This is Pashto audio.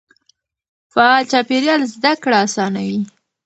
فعال چاپېريال زده کړه اسانوي.